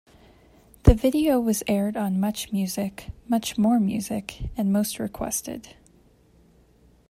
The video was aired on MuchMusic, MuchMoreMusic and Most Requested.